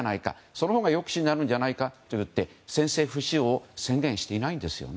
そのほうが抑止になるんじゃないかといって先制不使用を宣言していないんです。